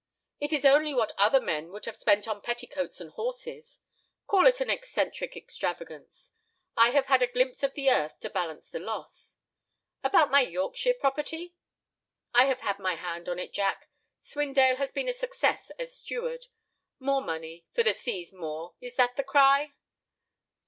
"It is only what other men would have spent on petticoats and horses. Call it an eccentric extravagance. I have had a glimpse of the earth to balance the loss. About my Yorkshire property?" "I have had my hand on it, Jack. Swindale has been a success as steward. More money—for the sea's maw. Is that the cry?"